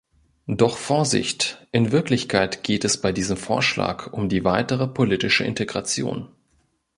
Doch Vorsicht, in Wirklichkeit geht es bei diesem Vorschlag um die weitere politische Integration.